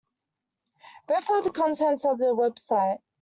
Verify the contents of the website.